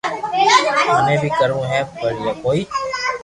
مني بي ڪروو ھي يار ڪوئي